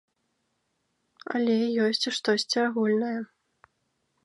Але ёсць і штосьці агульнае.